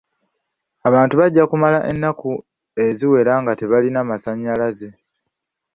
Abantu bajja kumala ennaku eziwera nga tebalina masannyalaze.